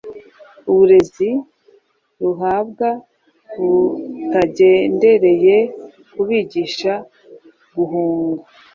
uburezi ruhabwa butagendereye kubigisha guhunga